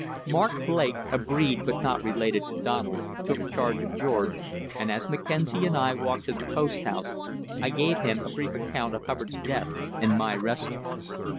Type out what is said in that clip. Mark Blake, a breed but not related to Donald, took charge of George, and as Mackenzie and I walked to the post house, I gave him a brief account of Hubbard's death and my rescue.